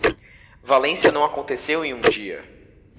Valência não aconteceu em um dia.